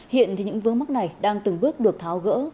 hiện thì những vướng mắc này đang từng bước được tháo gỡ